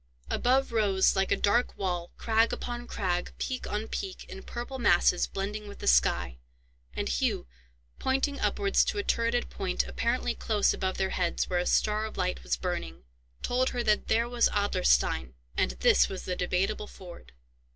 Above rose, like a dark wall, crag upon crag, peak on peak, in purple masses, blending with the sky; and Hugh, pointing upwards to a turreted point, apparently close above their heads, where a star of light was burning, told her that there was Adlerstein, and this was the Debateable Ford.